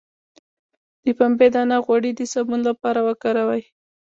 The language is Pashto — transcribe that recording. د پنبې دانه غوړي د صابون لپاره وکاروئ